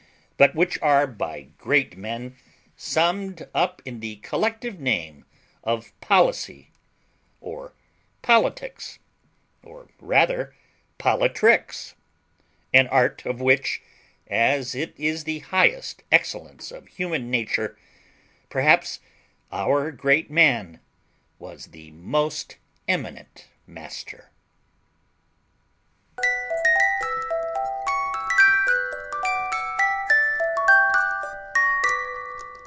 but which are by great men summed up in the collective name of policy, or politics, or rather pollitrics; an art of which, as it is the highest excellence of human nature, perhaps our great man was the most eminent master.